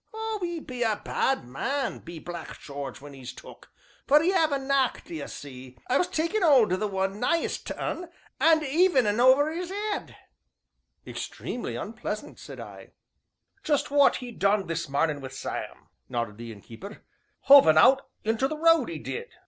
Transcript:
"Oh, 'e be a bad man, be Black Jarge when 'e's took, for 'e 'ave a knack, d'ye see, of takin' 'old o' the one nighest to un, and a heavin' of un over 'is 'ead." "Extremely unpleasant!" said I. "Just what he done this marnin' wi' Sam," nodded the Innkeeper "hove un out into the road, 'e did."